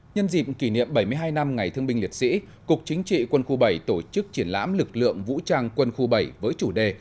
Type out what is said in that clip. nhân dịp kỷ niệm bảy mươi hai năm ngày thương binh liệt sĩ cục chính trị quân khu bảy tổ chức triển lãm lực lượng vũ trang quân khu bảy với chủ đề